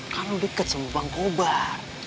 kan lo deket sama bang kobar